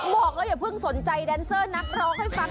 บอกแล้วอย่าเพิ่งสนใจแดนเซอร์นักร้องให้ฟัง